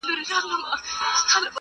خوار په خپله خواري نه شرمېږي.